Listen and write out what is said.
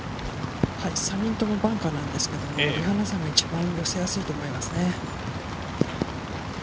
３人ともバンカーなんですけど、リ・ハナさんが一番寄せやすいと思いますね。